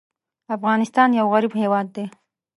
افغانستان یو غریب هېواد دی.